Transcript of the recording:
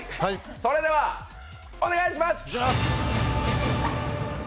それではお願いします。